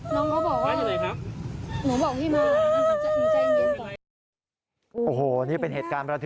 สวัสดีครับ